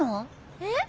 えっ？